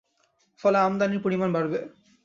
ফলে আমদানির পরিমাণ বাড়বে।